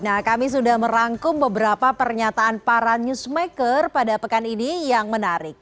nah kami sudah merangkum beberapa pernyataan para newsmaker pada pekan ini yang menarik